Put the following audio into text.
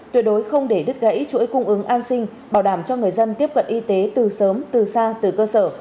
tuyệt đối không để đứt gãy chuỗi cung ứng an sinh bảo đảm cho người dân tiếp cận y tế từ sớm từ xa từ cơ sở